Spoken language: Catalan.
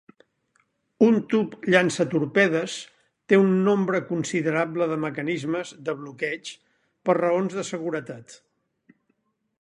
Un tub llançatorpedes té un nombre considerable de mecanismes de bloqueig per raons de seguretat.